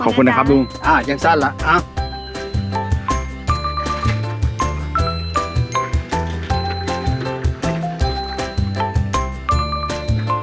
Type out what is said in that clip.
ขอบคุณนะครับลุงอ่ายังสั้นแล้ว